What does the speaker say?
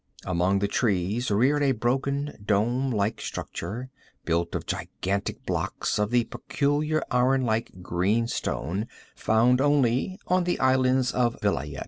Among the trees reared a broken dome like structure, built of gigantic blocks of the peculiar iron like green stone found only on the islands of Vilayet.